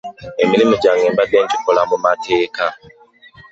Emirimu gyange mbadde ngikola mu mateeka.